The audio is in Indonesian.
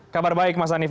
kabar baik mas hanif